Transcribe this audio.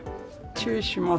注意します。